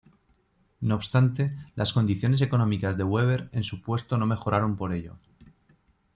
No obstante, las condiciones económicas de Weber en su puesto no mejoraron por ello.